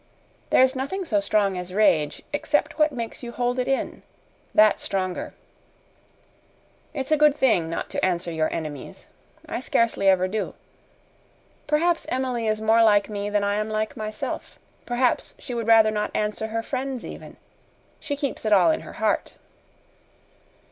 There's nothing so strong as rage, except what makes you hold it in that's stronger. It's a good thing not to answer your enemies. I scarcely ever do. Perhaps Emily is more like me than I am like myself. Perhaps she would rather not answer her friends, even. She keeps it all in her heart."